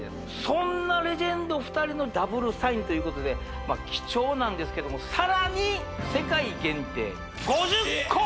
そんなレジェンド２人のダブルサインということで貴重なんですけどもさらに世界限定５０個